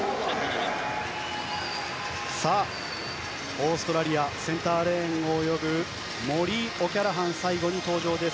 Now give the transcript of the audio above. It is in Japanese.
オーストラリアセンターレーンを泳ぐモリー・オキャラハン最後に登場です。